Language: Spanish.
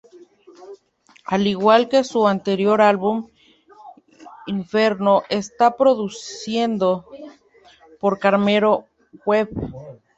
Al igual que su anterior álbum, "Inferno", está producido por Cameron Webb.